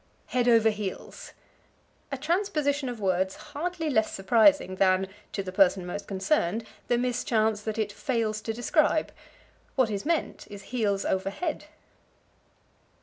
Head over Heels. A transposition of words hardly less surprising than (to the person most concerned) the mischance that it fails to describe. What is meant is heels over head.